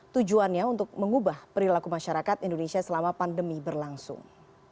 tujuannya untuk mengubah perilaku masyarakat indonesia selama pandemi berlangsung